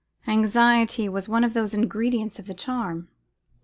Anxiety was one of the ingredients of the charm.